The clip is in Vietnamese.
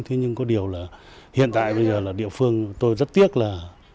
thế nhưng có điều là hiện tại bây giờ là địa phương tôi rất tiếc là